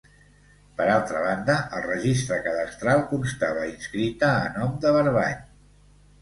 Per altra banda, al registre cadastral constava inscrita a nom de Barbany.